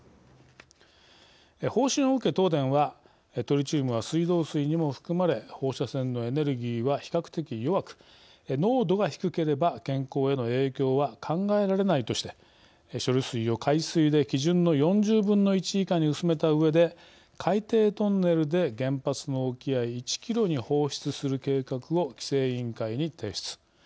方針を受け東電はトリチウムは水道水にも含まれ放射線のエネルギーは比較的弱く濃度が低ければ健康への影響は考えられないとして処理水を海水で基準の４０分の１以下に薄めたうえで海底トンネルで原発の沖合１キロに放出する計画を規制委員会に提出。